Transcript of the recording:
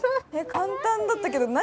簡単だったけど何？